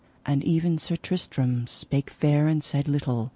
And ever Sir Tristram spake fair and said little.